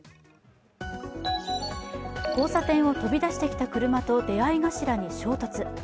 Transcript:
交差点を飛び出してきた車と出会い頭に衝突。